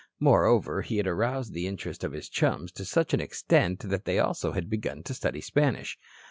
Moreover, he had aroused the interest of his chums to such an extent that they also had begun to study Spanish.